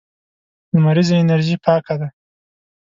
لمريزه انرژي پاکه ده.